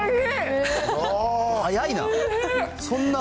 早いな。